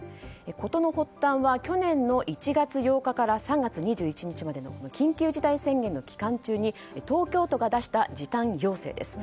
事の発端は去年の１月８日から３月２１日までの緊急事態宣言の期間中に東京都が出した時短要請です。